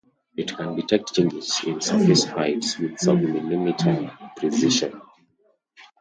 It can detect changes in surface heights with sub-millimeter precision.